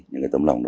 những tâm lòng đó